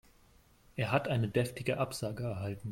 Er hat eine deftige Absage erhalten.